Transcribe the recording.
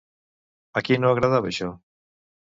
A qui no agradava això?